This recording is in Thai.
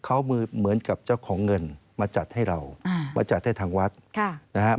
เขาเหมือนกับเจ้าของเงินมาจัดให้เรามาจัดให้ทางวัดนะครับ